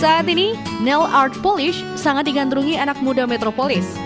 saat ini nail art polish sangat digandrungi anak muda metropolis